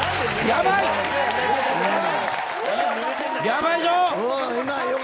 やばいよ。